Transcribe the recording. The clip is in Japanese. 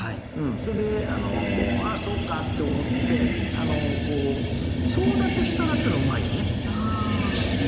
それで「ああそうか」って思って「そうだとしたら」っていうのがうまいよね。